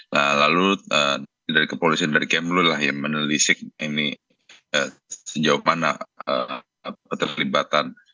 lalu dari kepolisian dari kemelul yang menelisik ini sejauh mana terlibatan